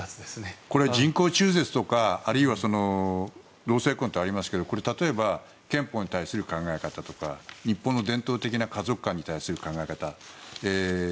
人工中絶とかあるいは同性婚とありますけどこれ例えば憲法に対する考え方とか日本の伝統的な家族観に対する考え方